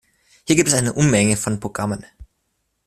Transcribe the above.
Hier gibt es eine Unmenge von Programmen.